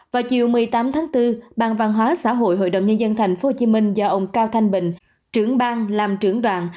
vào chiều một mươi tám tháng bốn ban văn hóa xã hội hội đồng nhân dân tp hcm do ông cao thanh bình trưởng bang làm trưởng đoàn